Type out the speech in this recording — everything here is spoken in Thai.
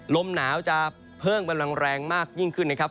ลมหนาวจะเพิ่มกำลังแรงมากยิ่งขึ้นนะครับ